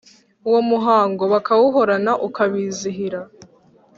uwo muhango bakawuhorana ukabizihira.